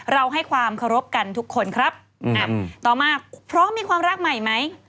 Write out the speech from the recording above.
ให้ความเคารพกันทุกคนครับต่อมาพร้อมมีความรักใหม่ไหม